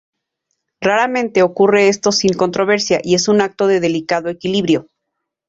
Raramente ocurre esto sin controversia, y es un acto de delicado equilibrio.